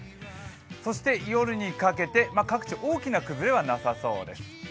そして夜にかけて各地、大きな崩れはなさそうです。